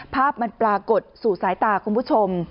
ภาพมันปรากฏสู่สายตาคุณผู้ชม